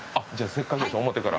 せっかくやし表から。